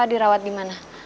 reva dirawat dimana